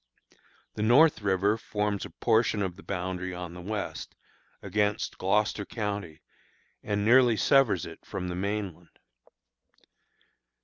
The North River forms a portion of its boundary on the west, against Gloucester county, and nearly severs it from the mainland.